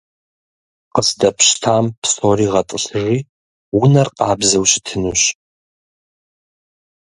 Къыздэпщтам псори гъэтӏылъыжи, унэр къабзэу щытынущ.